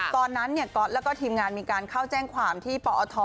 ตอนนั้นก๊อตแล้วก็ทีมงานมีการเข้าแจ้งความที่ปอท